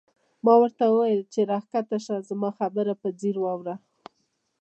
ما ورته وویل چې راکښته شه او زما خبره په ځیر واوره.